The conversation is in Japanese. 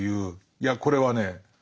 いやこれはね